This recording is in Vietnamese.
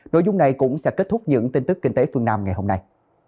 nội dung này cũng sẽ kết thúc những tin tức kinh tế phương nam ngày hôm nay